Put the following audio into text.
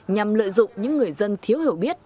nhằm lợi dụng những người dân thiếu hiểu biết